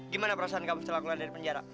gimana perasaan kamu setelah keluar dari penjara